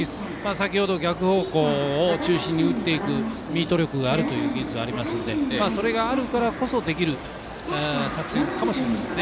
先ほど、逆方向を中心に打っていくミート力という技術がありますのでそれがあるからこそ、できる作戦かもしれません。